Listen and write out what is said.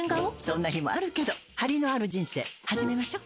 そんな日もあるけどハリのある人生始めましょ。